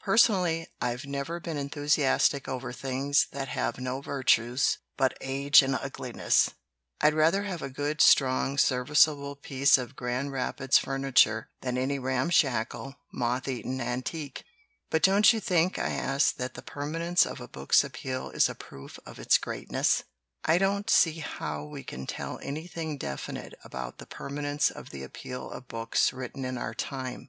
"Personally, I've never been enthusiastic over things that have no virtues but age and ugliness. I'd rather have a good, strong, serviceable piece of Grand Rapids furniture than any ramshackle, moth eaten antique." "But don't you think," I asked, "that the per manence of a book's appeal is a proof of its great ness?" "I don't see how we can tell anything definite about the permanence of the appeal of books written in our time.